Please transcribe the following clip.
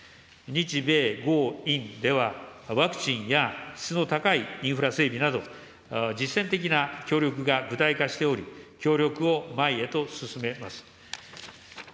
日米豪印では、ワクチンや質の高いインフラ整備など、実践的な協力が具体化しており、協力を前へと進めます。